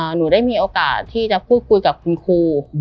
หนูได้มีโอกาสที่จะพูดคุยกับคุณครู